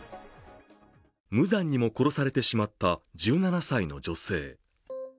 無残にも殺されてしまった１７歳の女性。